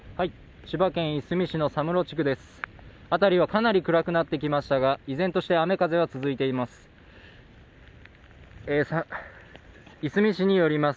辺りはかなり暗くなってきましたが、依然として雨・風は続いています。